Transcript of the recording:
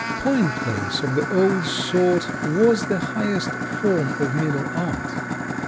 Point lace of the old sort was the highest form of needle art.